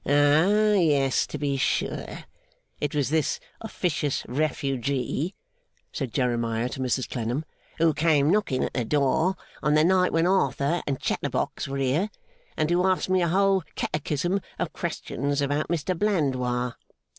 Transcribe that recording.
Ah! yes, to be sure. It was this officious refugee,' said Jeremiah to Mrs Clennam, 'who came knocking at the door on the night when Arthur and Chatterbox were here, and who asked me a whole Catechism of questions about Mr Blandois.